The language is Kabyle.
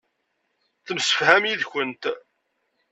Temsefham yid-kent.